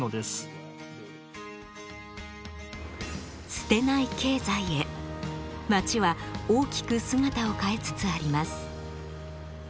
捨てない経済へ町は大きく姿を変えつつあります。